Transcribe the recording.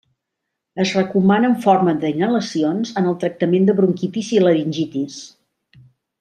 Es recomana en forma d'inhalacions en el tractament de bronquitis i laringitis.